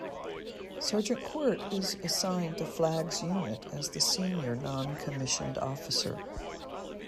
Sergeant Quirt is assigned to Flagg's unit as the senior non-commissioned officer.